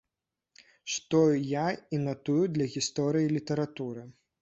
Што я і натую для гісторыі літаратуры.